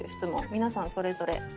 皆さんそれぞれ。